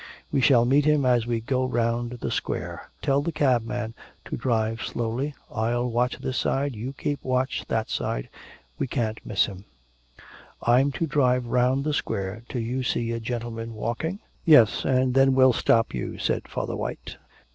'We shall meet him as we go round the Square. Tell the cabman to drive slowly, I'll keep watch this side, you keep watch that side, we can't miss him.' 'I'm to drive round the Square till you see a gentleman walking?' 'Yes, and then we'll stop you,' said Father White.